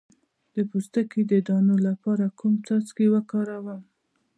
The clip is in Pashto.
د پوستکي د دانو لپاره کوم څاڅکي وکاروم؟